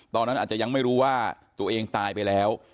ตอนนั้นอาจจะยังไม่รู้ว่าตัวเองตายไปแล้ว